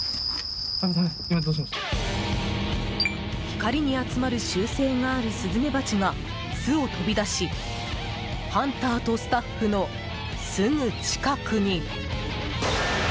光に集まる習性があるスズメバチが、巣を飛び出しハンターとスタッフのすぐ近くに。